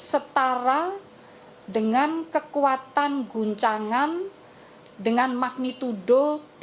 setara dengan kekuatan guncangan dengan magnitudo tiga